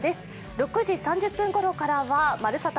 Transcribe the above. ６時３０分頃からは「＃まるサタ！